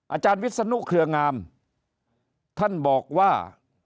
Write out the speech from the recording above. อาจารย์วิศนุเครืองามท่านบอกว่า